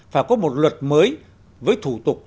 và có một luật mới với thủ tục